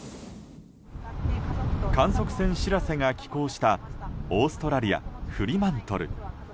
観測船「しらせ」が寄港したオーストラリア・フリマントル。